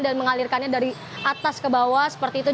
dan mengalirkannya dari atas ke bawah seperti itu